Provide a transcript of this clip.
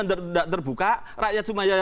tidak terbuka rakyat supaya